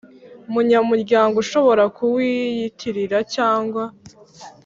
Munyamuryango ushobora kuwiyitirira cyangwa